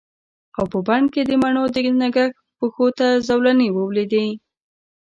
او په بڼ کې د مڼو د نګهت پښو ته زولنې ولویدې